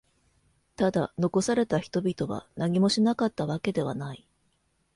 ただ、残された人々は何もしなかったわけではない。